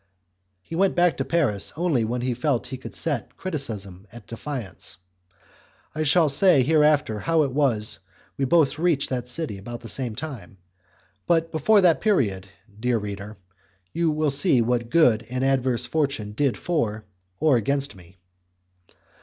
He went back to Paris only when he felt certain that he could set criticism at defiance; I shall say hereafter how it was that we both reached that city about the same time. But before that period, dear, reader, you will see what good and adverse fortune did for or against me.